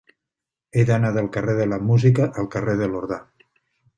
He d'anar del carrer de la Música al carrer de Lorda.